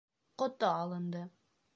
Ҡото алынды.